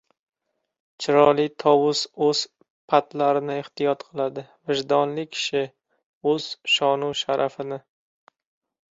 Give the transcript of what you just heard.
• Chiroyli tovus o‘z parlarini ehtiyot qiladi, vijdonli kishi — o‘z shonu-sharafini.